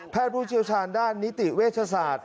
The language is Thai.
ผู้เชี่ยวชาญด้านนิติเวชศาสตร์